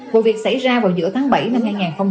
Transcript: vụ việc xảy ra vào giữa tháng bảy năm hai nghìn hai mươi ba